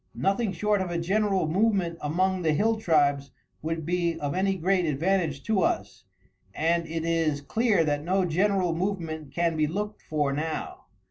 Nothing short of a general movement among the hill tribes would be of any great advantage to us, and it is clear that no general movement can be looked for now.